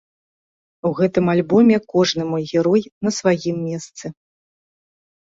У гэтым альбоме кожны мой герой на сваім месцы.